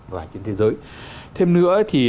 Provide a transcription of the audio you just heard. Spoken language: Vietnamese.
và trên thế giới thêm nữa thì